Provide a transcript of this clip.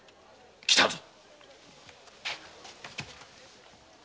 来たぞ。